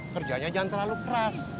kerjanya jangan terlalu keras